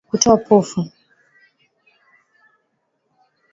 Kutoa povu